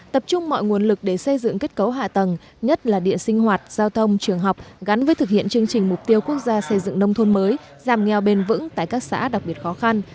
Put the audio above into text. tập trung mọi nguồn lực để xây dựng kết cấu hạ tầng nhất là điện sinh hoạt giao thông trường học gắn với thực hiện chương trình mục tiêu quốc gia xây dựng nông thôn mới giảm nghèo bền vững tại các xã đặc biệt khó khăn